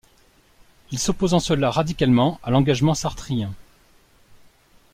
Il s'oppose en cela radicalement à l'engagement sartrien.